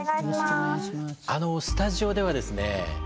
あのスタジオではですね